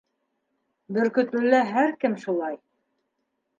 Бөркөтлөлә һәр кем шулай.